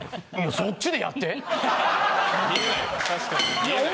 そっちでやって。